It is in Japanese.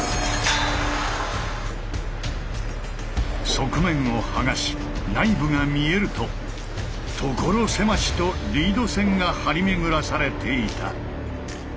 側面を剥がし内部が見えると所狭しとリード線が張り巡らされていた。